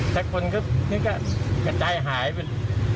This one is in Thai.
แตกคนก็นี่ก็ไกลหายไป